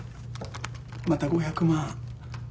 また５００万